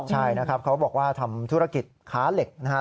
ใช่นะครับเขาบอกว่าทำธุรกิจค้าเหล็กนะฮะ